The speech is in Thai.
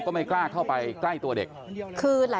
เพื่อนบ้านเจ้าหน้าที่อำรวจกู้ภัย